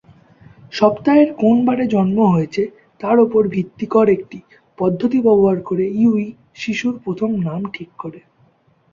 সপ্তাহের কোন বারে জন্ম হয়েছে তার উপর ভিত্তি কর একটি পদ্ধতি ব্যবহার করে ইউই শিশুর প্রথম নাম ঠিক করে।